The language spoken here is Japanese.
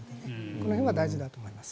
この辺は大事だと思います。